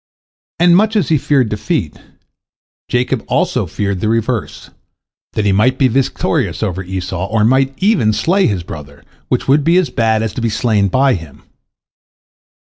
And much as he feared defeat, Jacob also feared the reverse, that he might be victorious over Esau, or might even slay his brother, which would be as bad as to be slain by him.